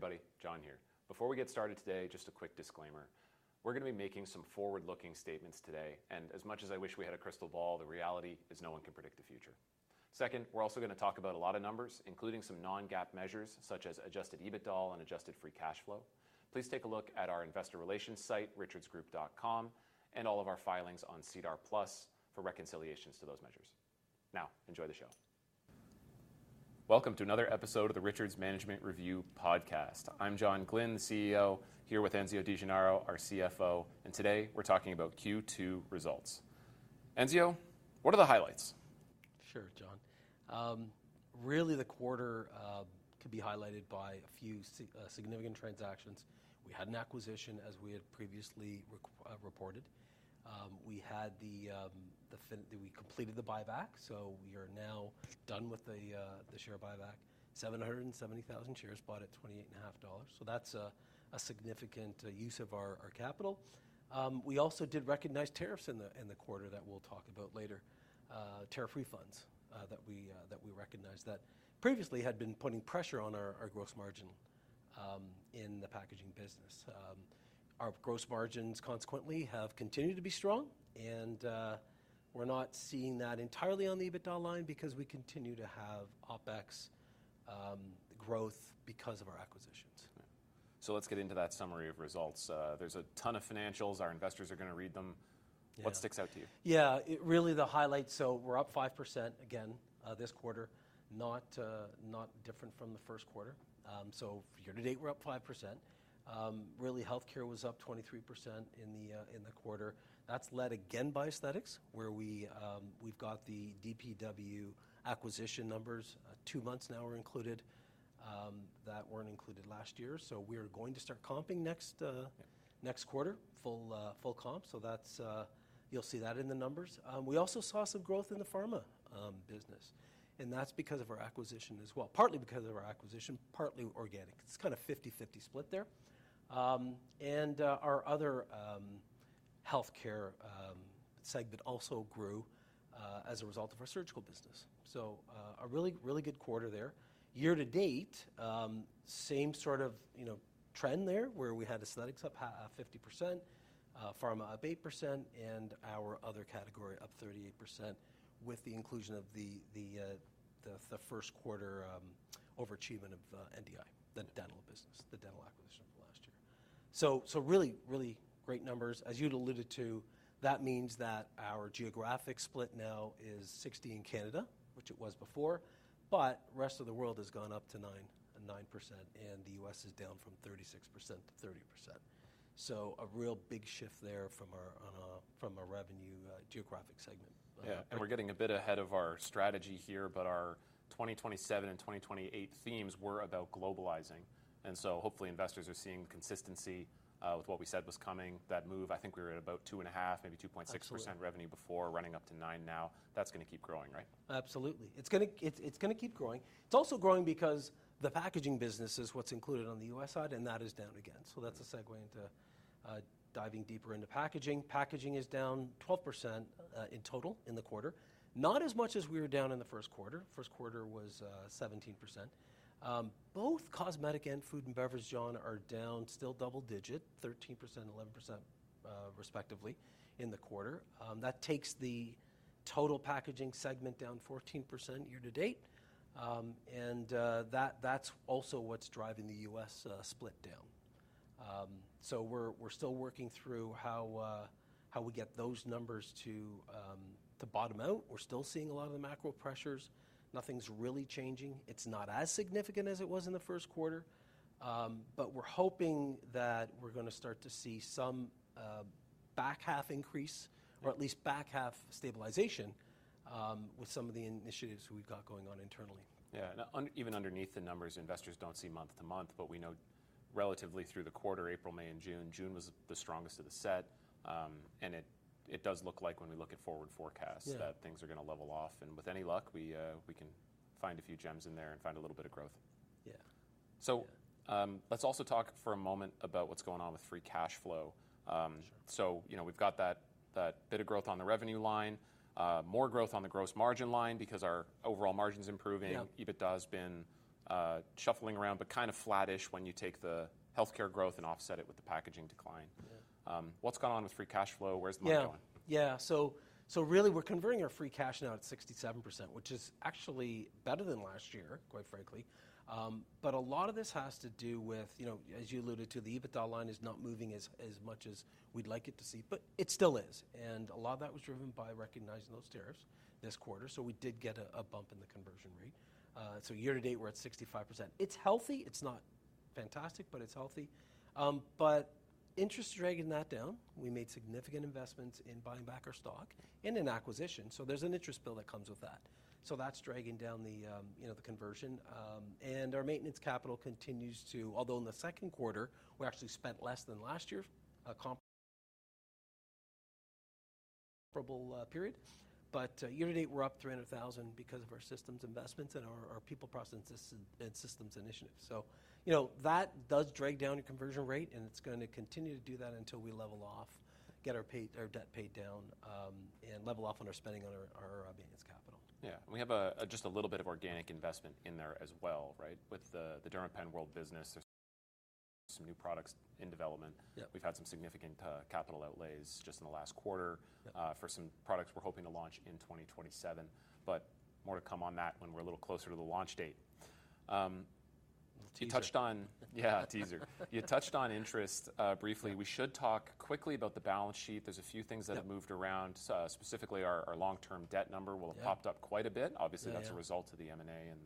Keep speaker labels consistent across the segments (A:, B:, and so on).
A: Hey, everybody. John here. Before we get started today, just a quick disclaimer. We're going to be making some forward-looking statements today. As much as I wish we had a crystal ball, the reality is no one can predict the future. We're also going to talk about a lot of numbers, including some non-GAAP measures such as adjusted EBITDA and adjusted free cash flow. Please take a look at our investor relations site, richardsgroup.com, and all of our filings on SEDAR+ for reconciliations to those measures. Enjoy the show. Welcome to another episode of the "Richards Management Review" podcast. I'm John Glynn, the CEO, here with Enzio Di Gennaro, our CFO, and today we're talking about Q2 results. Enzio, what are the highlights?
B: Sure, John. The quarter could be highlighted by a few significant transactions. We had an acquisition, as we had previously reported. We completed the buyback, so we are now done with the share buyback, 770,000 shares bought at 28.50 dollars. That's a significant use of our capital. We also did recognize tariffs in the quarter that we'll talk about later, tariff refunds that we recognized that previously had been putting pressure on our gross margin in the packaging business. Our gross margins consequently have continued to be strong, and we're not seeing that entirely on the EBITDA line because we continue to have OpEx growth because of our acquisitions. Right. Let's get into that summary of results. There's a ton of financials. Our investors are going to read them. Yeah.
A: What sticks out to you?
B: Really, the highlights. We're up 5% again this quarter, not different from the first quarter. Year to date, we're up 5%. Healthcare was up 23% in the quarter. That's led again by aesthetics, where we've got the DPW acquisition numbers. Two months now are included that weren't included last year. We are going to start comping next quarter, full comp. You'll see that in the numbers. We also saw some growth in the pharma business. That's because of our acquisition as well. Partly because of our acquisition, partly organic. It's kind of 50/50 split there. Our other healthcare segment also grew as a result of our surgical business. A really good quarter there. Year to date, same sort of trend there, where we had aesthetics up 50%, pharma up 8%, and our other category up 38% with the inclusion of the first quarter overachievement of NDI, the dental business, the dental acquisition of last year. Really great numbers. As you'd alluded to, that means that our geographic split now is 60% in Canada, which it was before. Rest of the world has gone up to 9%, and the U.S. is down from 36% to 30%. A real big shift there from a revenue geographic segment.
A: We're getting a bit ahead of our strategy here. Our 2027 and 2028 themes were about globalizing. Hopefully investors are seeing the consistency with what we said was coming. That move, I think we were at about 2.5%, maybe 2.6% revenue before.
B: Absolutely
A: Running up to 9% now. That's going to keep growing, right?
B: Absolutely. It's going to keep growing. It's also growing because the packaging business is what's included on the U.S. side, and that is down again. That's a segue into diving deeper into packaging. Packaging is down 12% in total in the quarter. Not as much as we were down in the first quarter. First quarter was 17%. Both cosmetic and food and beverage, John, are down still double digit, 13% and 11% respectively in the quarter. That takes the total packaging segment down 14% year-to-date, and that's also what's driving the U.S. split down. We're still working through how we get those numbers to bottom out. We're still seeing a lot of the macro pressures. Nothing's really changing. It's not as significant as it was in the first quarter. We're hoping that we're going to start to see some back half increase or at least back half stabilization with some of the initiatives we've got going on internally.
A: Yeah. Even underneath the numbers, investors don't see month-to-month, but we know relatively through the quarter, April, May, and June. June was the strongest of the set. It does look like when we look at forward forecasts-
B: Yeah
A: That things are going to level off. With any luck, we can find a few gems in there and find a little bit of growth.
B: Yeah.
A: Let's also talk for a moment about what's going on with free cash flow.
B: Sure.
A: We've got that bit of growth on the revenue line, more growth on the gross margin line because our overall margin's improving.
B: Yeah.
A: EBITDA's been shuffling around, but kind of flattish when you take the healthcare growth and offset it with the packaging decline.
B: Yeah.
A: What's going on with free cash flow? Where's the money going?
B: Yeah. Really, we're converting our free cash now at 67%, which is actually better than last year, quite frankly. A lot of this has to do with, as you alluded to, the EBITDA line is not moving as much as we'd like it to see, but it still is. A lot of that was driven by recognizing those tariffs this quarter. We did get a bump in the conversion rate. Year to date, we're at 65%. It's healthy. It's not fantastic, but it's healthy. Interest is dragging that down. We made significant investments in buying back our stock and in acquisition. There's an interest bill that comes with that. That's dragging down the conversion. Our maintenance capital continues to Although in the second quarter, we actually spent less than last year, comparable period. Year to date, we're up 300,000 because of our systems investments and our people, process, and systems initiatives. That does drag down your conversion rate, and it's going to continue to do that until we level off, get our debt paid down, and level off on our spending on our maintenance capital.
A: Yeah. We have just a little bit of organic investment in there as well, right? With the DermapenWorld business, some new products in development.
B: Yeah.
A: We've had some significant capital outlays just in the last quarter.
B: Yeah
A: for some products we're hoping to launch in 2027. More to come on that when we're a little closer to the launch date.
B: Teaser.
A: Yeah, teaser. You touched on interest briefly.
B: Yeah.
A: We should talk quickly about the balance sheet. There's a few things that.
B: Yeah
A: have moved around, specifically our long-term debt number will have popped up quite a bit.
B: Yeah.
A: Obviously, that's a result of the M&A and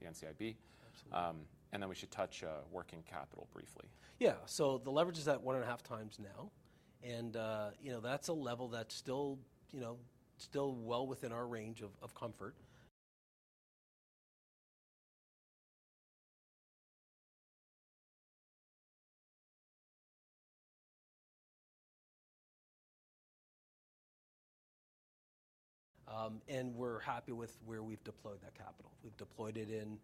A: the NCIB.
B: Absolutely.
A: We should touch working capital briefly.
B: Yeah. The leverage is at one and a half times now. That's a level that's still well within our range of comfort. We're happy with where we've deployed that capital. We've deployed it in,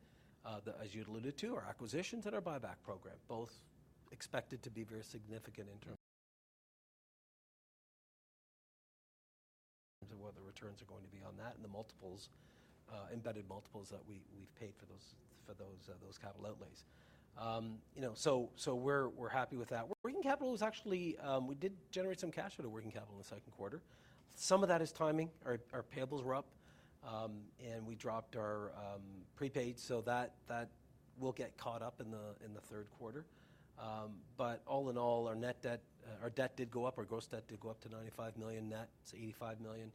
B: as you'd alluded to, our acquisitions and our buyback program, both expected to be very significant in terms of what the returns are going to be on that, and the embedded multiples that we've paid for those capital outlays. We're happy with that. Working capital, we did generate some cash out of working capital in the second quarter. Some of that is timing. Our payables were up, and we dropped our prepaid so that will get caught up in the third quarter. All in all, our debt did go up, our gross debt did go up to 95 million. Net, it's 85 million.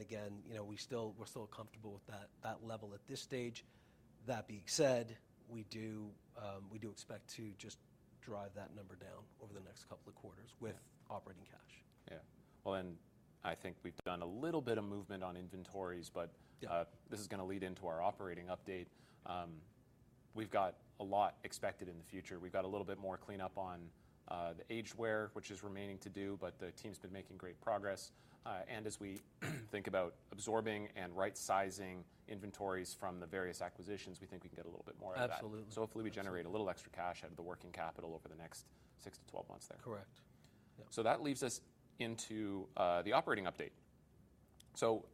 B: Again, we're still comfortable with that level at this stage. That being said, we do expect to just drive that number down over the next couple of quarters with operating cash.
A: Yeah. Well, I think we've done a little bit of movement on inventories.
B: Yeah
A: This is going to lead into our operating update. We've got a lot expected in the future. We've got a little bit more cleanup on the aged ware, which is remaining to do, but the team's been making great progress. As we think about absorbing and right-sizing inventories from the various acquisitions, we think we can get a little bit more of that.
B: Absolutely.
A: Hopefully, we generate a little extra cash out of the working capital over the next six to 12 months there.
B: Correct. Yeah.
A: That leads us into the operating update.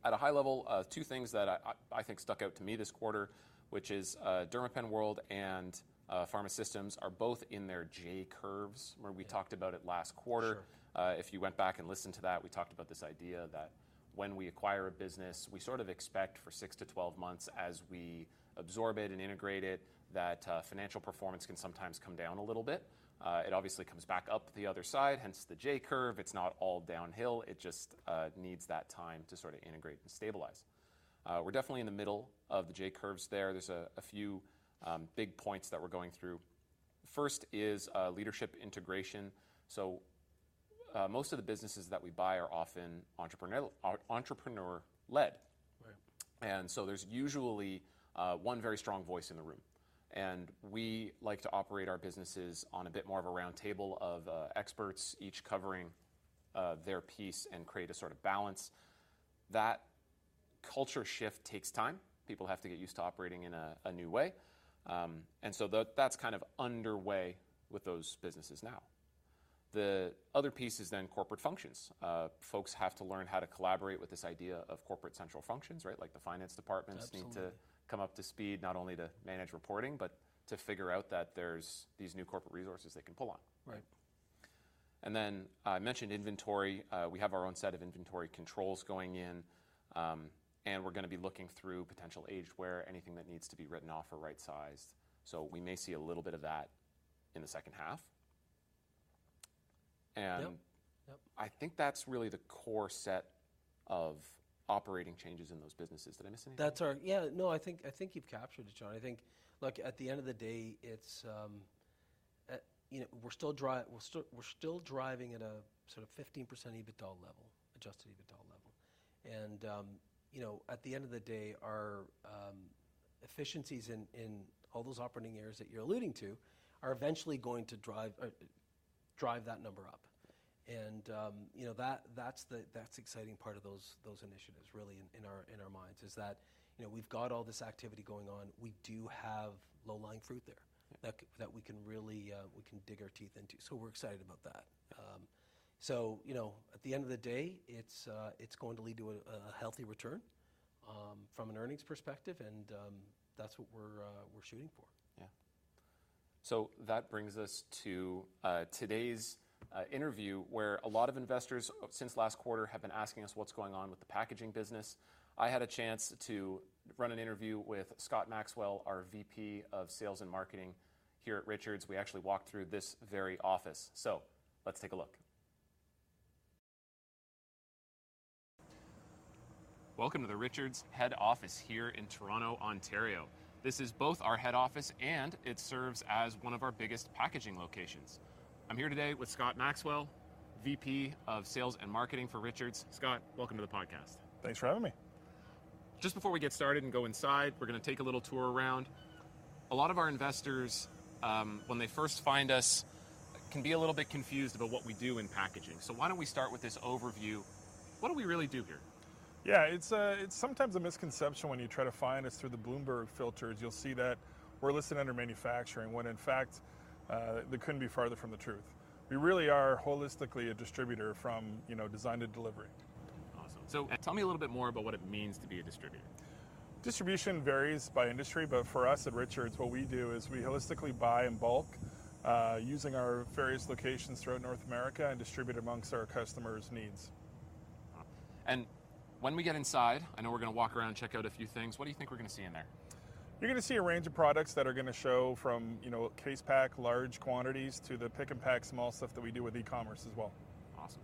A: At a high level, two things that I think stuck out to me this quarter, which is DermapenWorld and PharmaSystems Inc. are both in their J curve, where we talked about it last quarter.
B: Sure.
A: If you went back and listened to that, we talked about this idea that when we acquire a business, we sort of expect for six to 12 months as we absorb it and integrate it, that financial performance can sometimes come down a little bit. It obviously comes back up the other side, hence the J curve. It's not all downhill. It just needs that time to sort of integrate and stabilize. We're definitely in the middle of the J curve there. There's a few big points that we're going through. First is leadership integration. Most of the businesses that we buy are often entrepreneur-led.
B: Right.
A: There's usually one very strong voice in the room. We like to operate our businesses on a bit more of a round table of experts, each covering their piece and create a sort of balance. That culture shift takes time. People have to get used to operating in a new way. That's kind of underway with those businesses now. The other piece is then corporate functions. Folks have to learn how to collaborate with this idea of corporate central functions, right? Like the finance departments.
B: Absolutely
A: need to come up to speed not only to manage reporting, but to figure out that there's these new corporate resources they can pull on.
B: Right.
A: I mentioned inventory. We have our own set of inventory controls going in. We're going to be looking through potential aged ware, anything that needs to be written off or right-sized. We may see a little bit of that in the second half.
B: Yep.
A: I think that's really the core set of operating changes in those businesses. Did I miss anything?
B: That's all. Yeah, no, I think you've captured it, John. I think at the end of the day, we're still driving at a sort of 15% adjusted EBITDA level. At the end of the day, our efficiencies in all those operating areas that you're alluding to are eventually going to drive that number up. That's the exciting part of those initiatives, really, in our minds, is that we've got all this activity going on. We do have low-lying fruit there that we can dig our teeth into. We're excited about that. At the end of the day, it's going to lead to a healthy return from an earnings perspective, and that's what we're shooting for.
A: Yeah. That brings us to today's interview, where a lot of investors since last quarter have been asking us what's going on with the packaging business. I had a chance to run an interview with Scott Maxwell, our VP of Sales and Marketing here at Richards. We actually walked through this very office. Let's take a look. Welcome to the Richards head office here in Toronto, Ontario. This is both our head office, and it serves as one of our biggest packaging locations. I'm here today with Scott Maxwell, VP of Sales and Marketing for Richards. Scott, welcome to the podcast.
C: Thanks for having me.
A: Just before we get started and go inside, we're going to take a little tour around. A lot of our investors, when they first find us, can be a little bit confused about what we do in packaging. Why don't we start with this overview? What do we really do here?
B: Yeah. It's sometimes a misconception when you try to find us through the Bloomberg filters. You'll see that we're listed under manufacturing when in fact, that couldn't be farther from the truth. We really are holistically a distributor from design to delivery.
A: Tell me a little bit more about what it means to be a distributor.
C: Distribution varies by industry, but for us at Richards, what we do is we holistically buy in bulk, using our various locations throughout North America and distribute amongst our customers' needs.
A: When we get inside, I know we're going to walk around and check out a few things. What do you think we're going to see in there?
C: You're going to see a range of products that are going to show from case pack, large quantities, to the pick and pack small stuff that we do with e-commerce as well.
A: Awesome.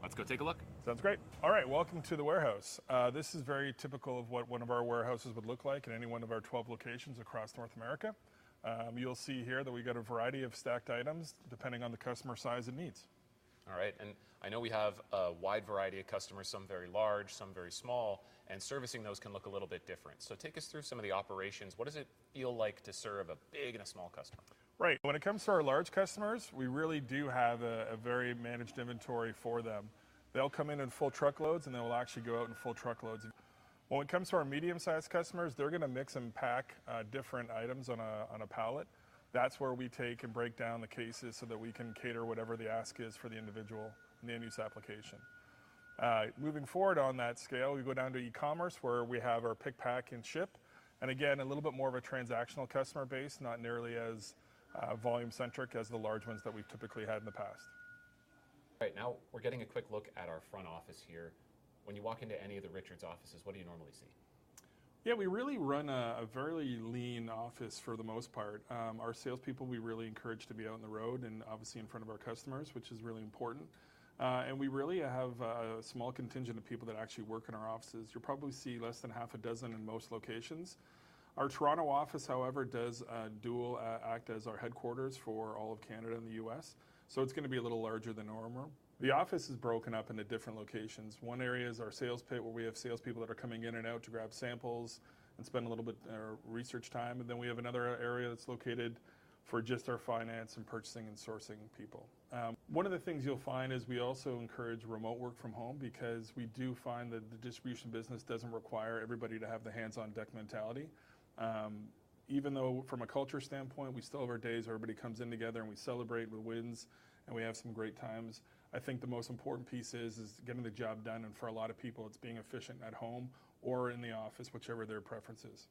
A: Let's go take a look.
C: Sounds great. All right. Welcome to the warehouse. This is very typical of what one of our warehouses would look like in any one of our 12 locations across North America. You'll see here that we got a variety of stacked items depending on the customer size and needs.
A: All right. I know we have a wide variety of customers, some very large, some very small, and servicing those can look a little bit different. Take us through some of the operations. What does it feel like to serve a big and a small customer?
C: Right. When it comes to our large customers, we really do have a very managed inventory for them. They'll come in in full truckloads, and they'll actually go out in full truckloads. When it comes to our medium-sized customers, they're going to mix and pack different items on a pallet. That's where we take and break down the cases so that we can cater whatever the ask is for the individual end use application. Moving forward on that scale, we go down to e-commerce, where we have our pick, pack, and ship. Again, a little bit more of a transactional customer base, not nearly as volume-centric as the large ones that we've typically had in the past.
A: Right now, we're getting a quick look at our front office here. When you walk into any of the Richards offices, what do you normally see?
C: Yeah, we really run a very lean office for the most part. Our salespeople we really encourage to be out on the road and obviously in front of our customers, which is really important. We really have a small contingent of people that actually work in our offices. You'll probably see less than half a dozen in most locations. Our Toronto office, however, does dual act as our headquarters for all of Canada and the U.S., it's going to be a little larger than normal. The office is broken up into different locations. One area is our sales pit, where we have salespeople that are coming in and out to grab samples and spend a little bit of research time. Then we have another area that's located for just our finance and purchasing and sourcing people. One of the things you'll find is we also encourage remote work from home because we do find that the distribution business doesn't require everybody to have the hands-on-deck mentality. Even though from a culture standpoint, we still have our days where everybody comes in together and we celebrate with wins and we have some great times. I think the most important piece is getting the job done, and for a lot of people, it's being efficient at home or in the office, whichever their preference is.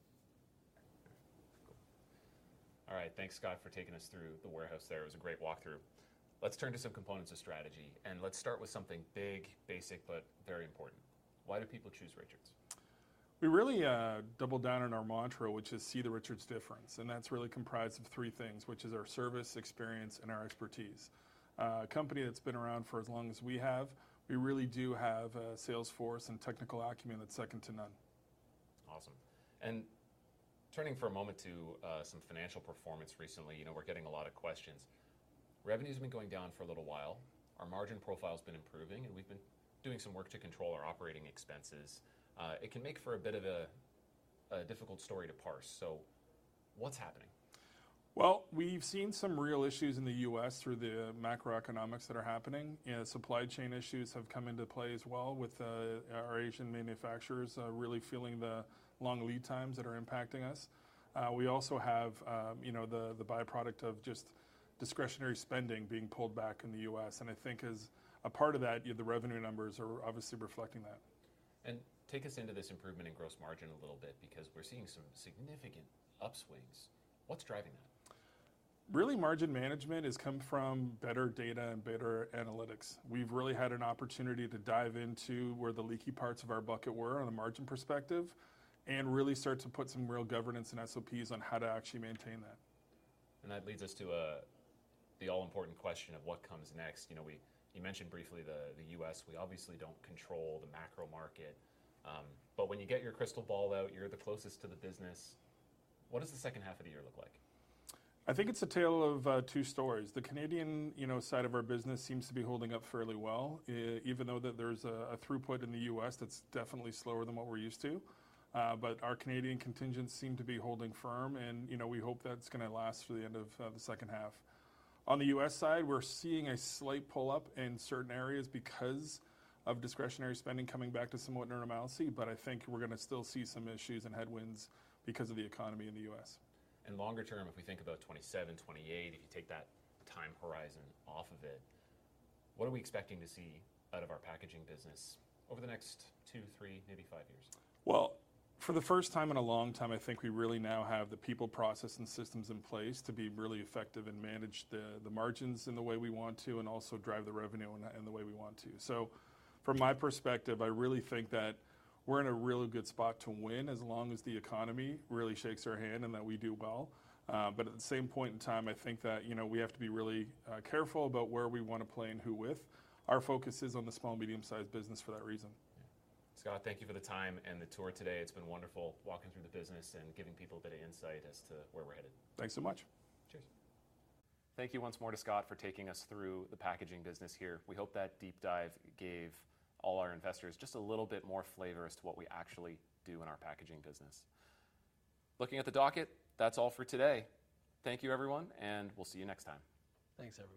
A: All right. Thanks, Scott, for taking us through the warehouse there. It was a great walkthrough. Let's turn to some components of strategy, let's start with something big, basic, but very important. Why do people choose Richards?
C: We really double down on our mantra, which is "See the Richards difference." That's really comprised of three things, which is our service, experience, and our expertise. A company that's been around for as long as we have, we really do have a sales force and technical acumen that's second to none.
A: Awesome. Turning for a moment to some financial performance recently. We're getting a lot of questions. Revenue's been going down for a little while. Our margin profile's been improving, and we've been doing some work to control our operating expenses. It can make for a bit of a difficult story to parse. What's happening?
C: Well, we've seen some real issues in the U.S. through the macroeconomics that are happening. Supply chain issues have come into play as well with our Asian manufacturers really feeling the long lead times that are impacting us. We also have the byproduct of just discretionary spending being pulled back in the U.S. I think as a part of that, the revenue numbers are obviously reflecting that.
A: Take us into this improvement in gross margin a little bit because we're seeing some significant upswings. What's driving that?
C: Really margin management has come from better data and better analytics. We've really had an opportunity to dive into where the leaky parts of our bucket were on a margin perspective and really start to put some real governance and SOPs on how to actually maintain that.
A: That leads us to the all-important question of what comes next. You mentioned briefly the U.S. We obviously don't control the macro market. When you get your crystal ball out, you're the closest to the business. What does the second half of the year look like?
C: I think it's a tale of two stories. The Canadian side of our business seems to be holding up fairly well, even though there's a throughput in the U.S. that's definitely slower than what we're used to. Our Canadian contingents seem to be holding firm, and we hope that's going to last through the end of the second half. On the U.S. side, we're seeing a slight pull-up in certain areas because of discretionary spending coming back to somewhat normalcy, but I think we're going to still see some issues and headwinds because of the economy in the U.S.
A: Longer term, if we think about 2027, 2028, if you take that time horizon off of it, what are we expecting to see out of our packaging business over the next two, three, maybe five years?
C: Well, for the first time in a long time, I think we really now have the people, process, and systems in place to be really effective and manage the margins in the way we want to and also drive the revenue in the way we want to. From my perspective, I really think that we're in a really good spot to win as long as the economy really shakes our hand and that we do well. At the same point in time, I think that we have to be really careful about where we want to play and who with. Our focus is on the small and medium-sized business for that reason.
A: Scott, thank you for the time and the tour today. It's been wonderful walking through the business and giving people a bit of insight as to where we're headed.
C: Thanks so much.
A: Cheers. Thank you once more to Scott for taking us through the packaging business here. We hope that deep dive gave all our investors just a little bit more flavor as to what we actually do in our packaging business. Looking at the docket, that's all for today. Thank you, everyone, and we'll see you next time.
B: Thanks, everyone.